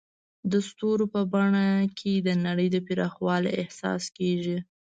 د ستورو په بڼه کې د نړۍ د پراخوالي احساس کېږي.